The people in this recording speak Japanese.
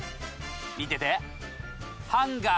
見てて！